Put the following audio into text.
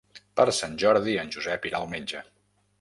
Per Sant Jordi en Josep irà al metge.